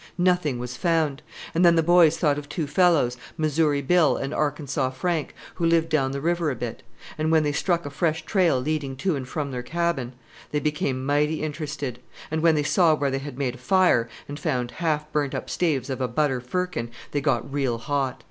Nothing was found. And then the boys thought of two fellows, Missouri Bill and Arkansaw Frank, who lived down the river a bit. And when they struck a fresh trail leading to and from their cabin, they became mighty interested; and when they saw where they had made a fire, and found half burnt up staves of a butter firkin, they got real hot.